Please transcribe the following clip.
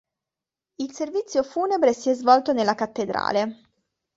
Il servizio funebre si è svolto nella cattedrale.